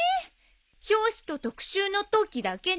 表紙と特集のときだけね。